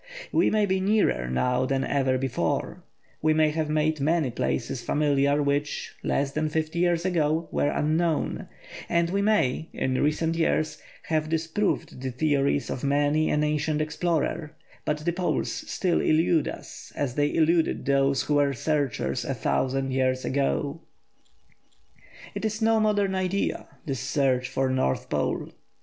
We may be nearer now than ever before; we may have made many places familiar which, less than fifty years ago, were unknown; and we may, in recent years, have disproved the theories of many an ancient explorer; but the Poles still elude us as they eluded those who were searchers a thousand years ago. It is no modern idea, this search for the North Pole.